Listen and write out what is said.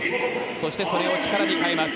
そしてそれを力に変えます。